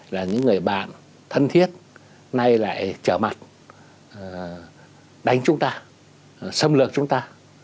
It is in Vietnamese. là những người bạn thân thiết nay lại trở mặt đánh chúng ta